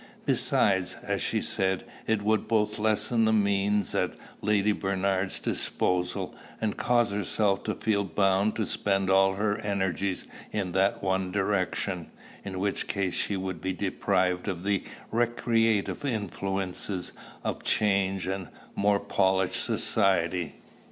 Besides, as she said, it would both lessen the means at Lady Bernard's disposal, and cause herself to feel bound to spend all her energies in that one direction; in which case she would be deprived of the recreative influences of change and more polished society.